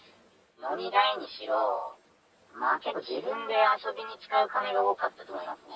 飲み代にしろ、結構、自分で遊びに使う金が多かったと思いますね。